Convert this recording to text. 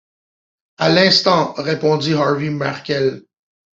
À l’instant, répondit Harry Markel.